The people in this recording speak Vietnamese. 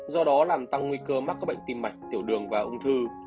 do đó làm tăng nguy cơ mắc các bệnh tim mạch tiểu đường và ung thư